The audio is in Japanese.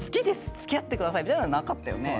つきあって下さい！」みたいなのはなかったよね？